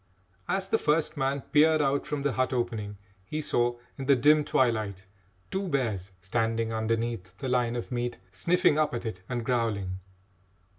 As the first man peered out from the hut opening, he saw, in the dim twilight, two bears standing underneath the line of meat, sniffing up at it and growling.